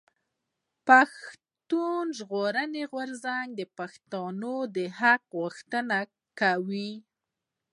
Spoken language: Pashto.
پښتون ژغورنې غورځنګ د پښتنو د حق غوښتنه کوي.